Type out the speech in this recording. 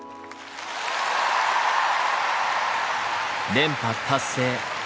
連覇達成。